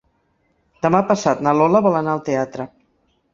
Demà passat na Lola vol anar al teatre.